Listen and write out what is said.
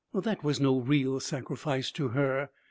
That was no real sacrifice to her.